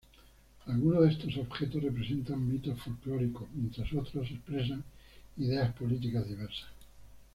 Algunos de estos objetos representan mitos folclóricos mientras otras expresan ideas políticas diversas.